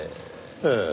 ええ。